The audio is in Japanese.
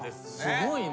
すごいね。